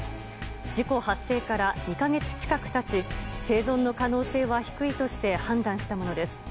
事故発生から２か月近く経ち生存の可能性は低いとして判断したものです。